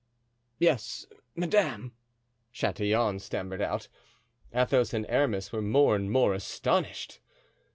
"Yes, madame," Chatillon stammered out. Athos and Aramis were more and more astonished.